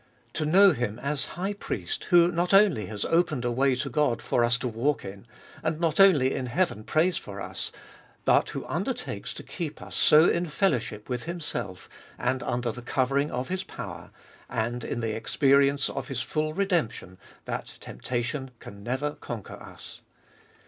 To know Him as High Priest who not only has opened a way to God for us to walk in, and not only in heaven prays for us, but who undertakes to keep us so in fellowship with Himself, and under the covering of His power, and in the experience of His full redemption, that temptation can never conquer us.